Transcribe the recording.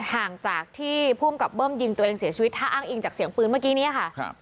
ห่างจากที่ภูมิกับเบิ้มยิงตัวเองเสียชีวิตถ้าอ้างอิงจากเสียงปืนเมื่อกี้นี้ค่ะ